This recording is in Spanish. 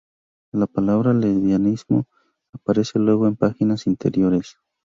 La palabra "Lesbianismo" aparece luego en páginas interiores.